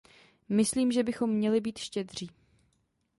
Myslím, že bychom měli být štědří.